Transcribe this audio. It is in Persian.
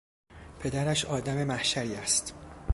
پدرش آدم محشری است.